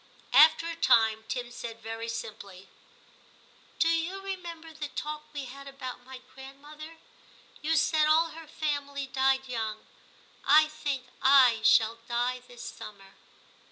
After a time Tim said very simply, * Do you remember the talk we had about my grandmother ? You said all her family died young ; I think / shall die this summer.'